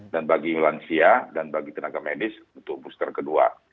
dan bagi lansia dan bagi tenaga medis untuk puster kedua